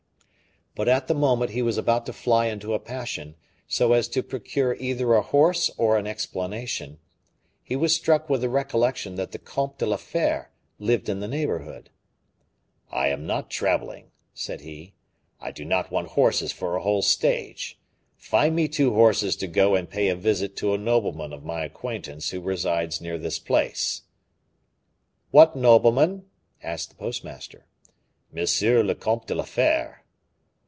But at the moment he was about to fly into a passion, so as to procure either a horse or an explanation, he was struck with the recollection that the Comte de la Fere lived in the neighborhood. "I am not traveling," said he; "I do not want horses for a whole stage. Find me two horses to go and pay a visit to a nobleman of my acquaintance who resides near this place." "What nobleman?" asked the postmaster. "M. le Comte de la Fere."